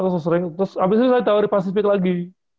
terus abis itu saya tawari pasifik lagi